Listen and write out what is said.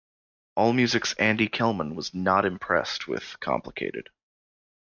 Allmusic's Andy Kellman was not impressed with "Complicated".